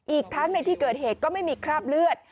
อีกทั้งในที่เกิดเหตุก็ไม่มีคราบเลือด